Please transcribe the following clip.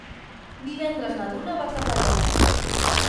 Divendres na Duna va a Capellades.